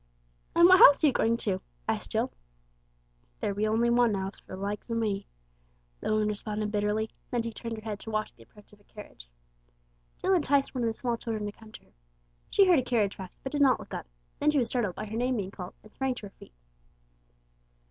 "And what house are you going to?" asked Jill. "There be only one 'ouse for the likes o' me," the woman responded bitterly; then she turned her head to watch the approach of a carriage. Jill enticed one of the small children to come to her. She heard a carriage pass, but did not look up, then she was startled by her name being called, and sprang to her feet.